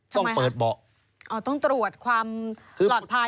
ต้องเปิดเบาะทำไมครับอ๋อต้องตรวจความหลอดภัย